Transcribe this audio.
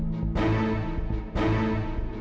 saat terlambat gini aja seharusnya